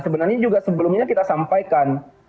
sebenarnya juga sebelumnya kita sampaikan